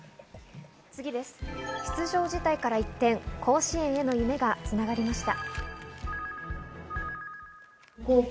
出場辞退から一転、甲子園への夢が繋がりました。